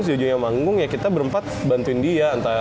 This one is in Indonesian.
si jojo yang manggung ya kita berempat bantuin dia